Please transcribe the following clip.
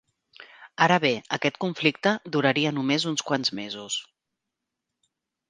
Ara bé, aquest conflicte duraria només uns quants mesos.